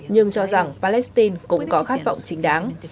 nhưng cho rằng palestine cũng có khát vọng chính đáng